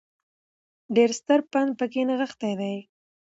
ډېر ستر پند په کې نغښتی دی